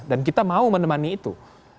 dan kita mau menemani itu